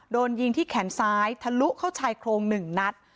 โดนยิงที่แขนซ้ายทะลุเข้าชายโครง๑นัด